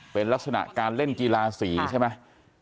เป็นลักษณะการเล่นกีฬาสีใช่ไหม